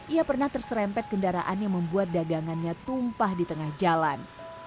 ia pernah terserempet kendaraan yang membuat dagangannya tumpah di tengah jalan